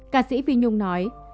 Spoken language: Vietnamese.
ca sĩ phi nhung nói